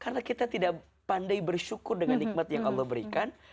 karena kita tidak pandai bersyukur dengan nikmat yang allah berikan